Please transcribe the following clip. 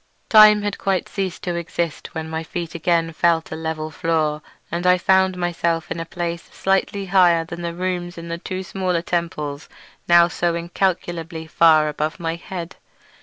Time had quite ceased to exist when my feet again felt a level floor, and I found myself in a place slightly higher than the rooms in the two smaller temples now so incalculably far above my head.